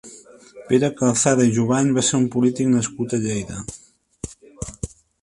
Pere Calzada i Jubany va ser un polític nascut a Lleida.